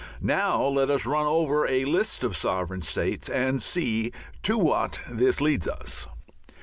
Now let us run over a list of sovereign states and see to what this leads us.